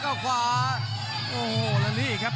กรรมการเตือนทั้งคู่ครับ๖๖กิโลกรัม